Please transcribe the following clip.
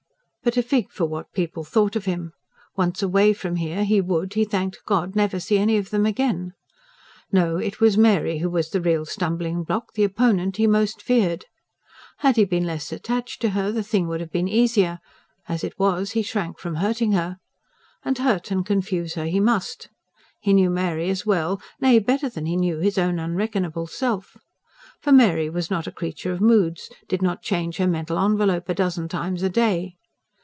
But a fig for what people thought of him! Once away from here he would, he thanked God, never see any of them again. No, it was Mary who was the real stumbling block, the opponent he most feared. Had he been less attached to her, the thing would have been easier; as it was, he shrank from hurting her. And hurt and confuse her he must. He knew Mary as well nay, better than he knew his own unreckonable self. For Mary was not a creature of moods, did not change her mental envelope a dozen times a day.